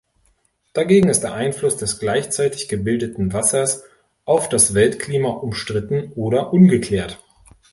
Dagegen ist der Einfluss des gleichzeitig gebildeten Wassers auf das Weltklima umstritten oder ungeklärt.